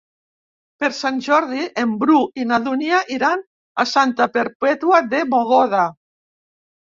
Per Sant Jordi en Bru i na Dúnia iran a Santa Perpètua de Mogoda.